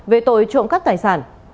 về tội trộm các tài sản